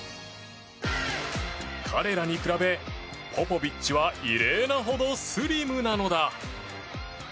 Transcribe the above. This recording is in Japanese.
彼らに比べ、ポポビッチは異例なほどスリムなのだ。